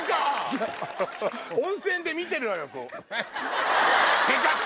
温泉で見てるわよ。